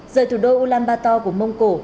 giờ thủ đô ulaanbaatar của mông cổ